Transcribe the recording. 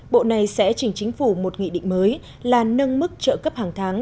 bộ này sẽ chỉnh chính phủ một nghị định mới là nâng mức trợ cấp hàng tháng